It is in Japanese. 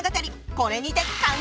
これにて完結！